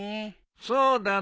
そうだぞ。